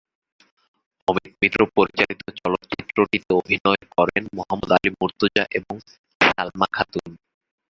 অমিত মিত্র পরিচালিত চলচ্চিত্রটিতে অভিনয় করেন মোহাম্মদ আলী মুর্তুজা এবং সালমা খাতুন।